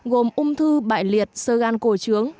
gồm ung thư bại liệt sơ gan cổ trướng